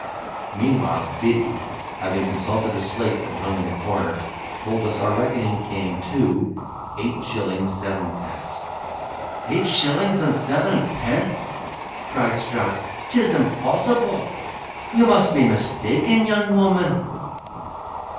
Meanwhile, Biddy, having consulted a slate that hung in the corner, told us our reckoning came to 8s. 7d. "Eight shillings and seven pence!" cried Strap, "'tis impossible! you must be mistaken, young woman."